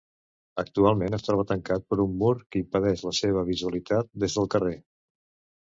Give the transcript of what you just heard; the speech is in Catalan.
Actualment es troba tancat per un mur que impedeix la seva visualitat des del carrer.